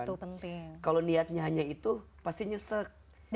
itu penting kalau niatnya hanya itu pastinya sekedar dapat gaji tiap bulan ya